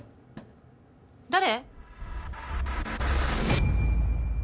誰？